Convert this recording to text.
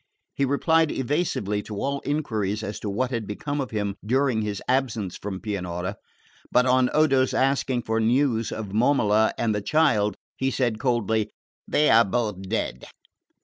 He replied evasively to all enquiries as to what had become of him during his absence from Pianura; but on Odo's asking for news of Momola and the child he said coldly: "They are both dead."